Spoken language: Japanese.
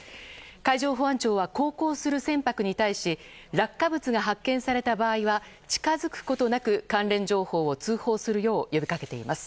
海上保安庁は航行する船舶に対し落下物が発見された場合は近づくことなく関連情報を通報するよう呼びかけています。